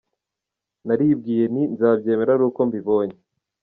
Naribwiye nti ‘nzabyemera ari uko mbibonye’.